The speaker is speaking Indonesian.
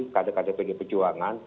kader kader pd pejuangan